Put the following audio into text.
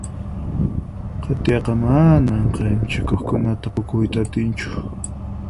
Katiaqa manan k'anchaqkunata phukuyta atinchu.